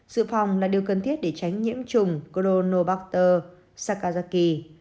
sự phòng là điều cần thiết để tránh nhiễm trùng gronobacter sakazaki